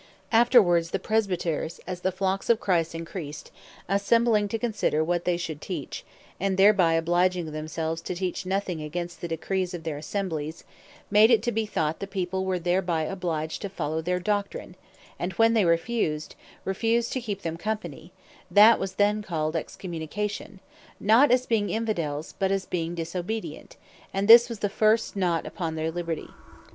Afterwards the Presbyters (as the Flocks of Christ encreased) assembling to consider what they should teach, and thereby obliging themselves to teach nothing against the Decrees of their Assemblies, made it to be thought the people were thereby obliged to follow their Doctrine, and when they refused, refused to keep them company, (that was then called Excommunication,) not as being Infidels, but as being disobedient: And this was the first knot upon their Liberty.